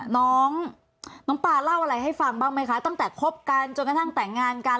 น้องน้องปลาเล่าอะไรให้ฟังบ้างไหมคะตั้งแต่คบกันจนกระทั่งแต่งงานกัน